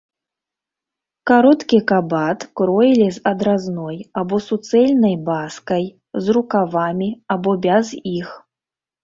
Кароткі кабат кроілі з адразной або суцэльнай баскай, з рукавамі або без іх.